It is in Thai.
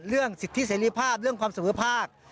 เรื่องสิทธิเสรีภาพเรื่องความเสมอภาค